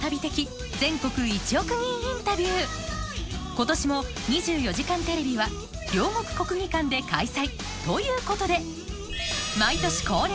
今年も『２４時間テレビ』は両国国技館で開催！ということで毎年恒例！